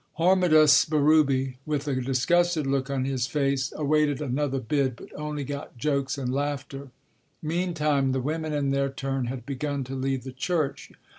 Hormidas Berube with a disgusted look on his face awaited another bid, but only got jokes and laughter. Meantime the women in their turn had begun to leave the church.